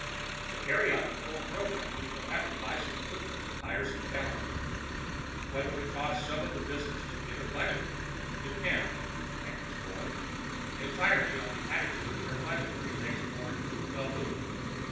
To carry out the full program, we shall have to buy some equipment and hire some talent. Whether we toss some of the business to Interplanetary depends, Hankus boy, entirely on what attitude Interplanetary takes toward you know who.